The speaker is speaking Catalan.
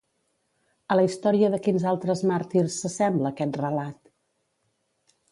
A la història de quins altres màrtirs s'assembla aquest relat?